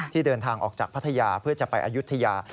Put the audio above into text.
เดินทางออกจากพัทยาเพื่อจะไปอายุทยา